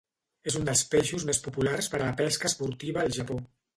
És un dels peixos més populars per a la pesca esportiva al Japó.